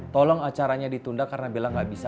tolong acaranya ditunda karena bella gak bisa